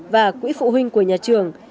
và quỹ phụ huynh của nhà trường